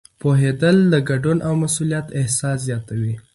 پوهېدل د ګډون او مسؤلیت احساس زیاتوي.